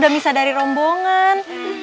bisa dari rombongan